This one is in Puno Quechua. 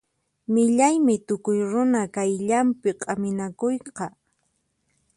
Millaymi tukuy runa qayllanpi k'aminakuyqa.